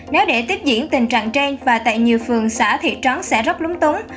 nếu để tiếp diễn tình trạng trên và tại nhiều phường xã thị trấn sẽ rất lúng túng